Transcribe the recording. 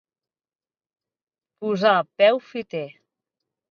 Posar peu fiter.